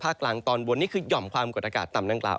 กลางตอนบนนี่คือหย่อมความกดอากาศต่ำดังกล่าว